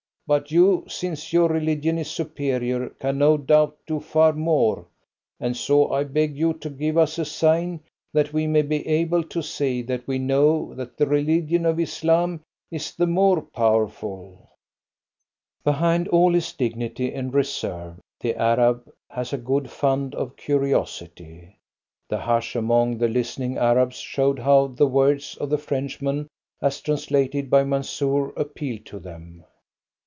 But you, since your religion is superior, can no doubt do far more, and so I beg you to give us a sign that we may be able to say that we know that the religion of Islam is the more powerful." Behind all his dignity and reserve, the Arab has a good fund of curiosity. The hush among the listening Arabs showed how the words of the Frenchman as translated by Mansoor appealed to them.